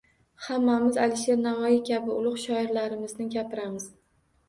Hammamiz Alisher Navoiy kabi ulug‘ shoirlarimizni gapiramiz.